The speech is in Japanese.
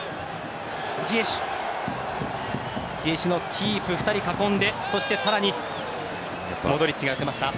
ジエシュのキープ、２人囲んでそして更にモドリッチが寄せました。